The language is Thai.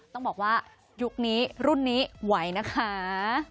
ต้องบอกว่ายุคนี้รุ่นนี้ไหวนะคะ